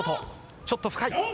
ちょっと深い。